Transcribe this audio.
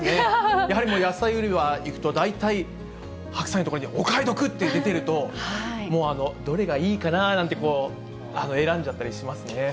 やはり野菜売り場に行くと、大体白菜の所にお買い得って出てると、もう、どれがいいかななんて、選んじゃったりしますね。